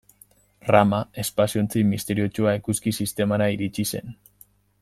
Rama espazio-ontzi misteriotsua eguzki-sistemara iritsi zen.